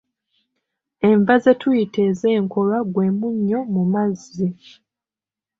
Enva ze tuyita ez’enkolwa gwe munnyo mu mazzi.